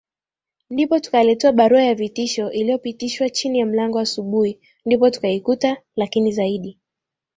ndipo tukaletewa barua ya vitisho iliyopitishwa chini ya mlango Asubuhi ndipo tukaikuta Lakini zaidi